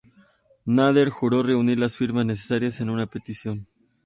Nader juró reunir las firmas necesarias en una petición.